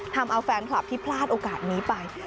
ทำเอาแฟนคลับที่พลาดโอกาสนี้ไป